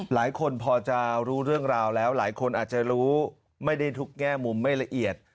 หลายคนพอจะรู้เรื่องราวแล้วหลายคนอาจจะรู้ไม่ได้ทุกแง่มุมไม่ละเอียด